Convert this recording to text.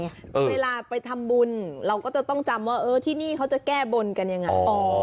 เวลาไปทำบุญเราก็จะต้องจำว่าเออที่นี่เขาจะแก้บนกันยังไง